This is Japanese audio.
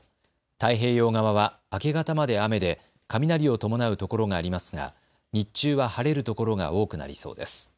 太平洋側は明け方まで雨で雷を伴う所がありますが、日中は晴れる所が多くなりそうです。